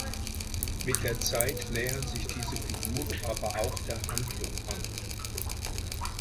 Mit der Zeit nähern sich diese Figuren aber auch der Handlung an.